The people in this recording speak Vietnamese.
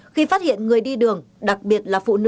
khi phát hiện người đi đường đặc biệt là phụ nữ